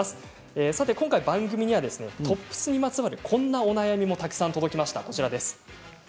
今回、番組にはトップスにまつわるこんな悩みもたくさん届きました。